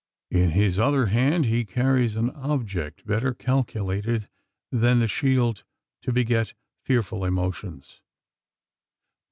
In his other hand, he carries an object better calculated than the shield to beget fearful emotions.